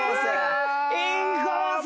インコース！